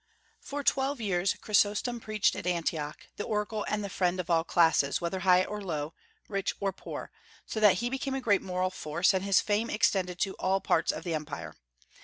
For twelve years Chrysostom preached at Antioch, the oracle and the friend of all classes whether high or low, rich or poor, so that he became a great moral force, and his fame extended to all parts of the Empire.